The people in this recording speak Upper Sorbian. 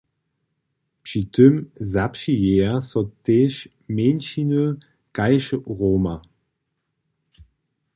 Při tym zapřijeja so tež mjeńšiny kaž Roma.